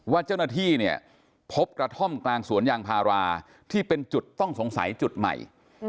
เจ้าหน้าที่เนี่ยพบกระท่อมกลางสวนยางพาราที่เป็นจุดต้องสงสัยจุดใหม่